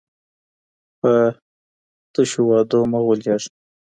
په تسو وعدو مه غولیږه.